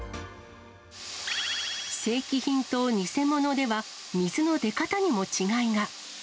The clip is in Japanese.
正規品と偽物では、水の出方にも違いが。